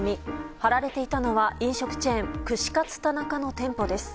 貼られていたのは飲食チェーン串カツ田中の店舗です。